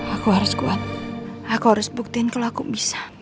aku harus kuat aku harus buktiin kalau aku bisa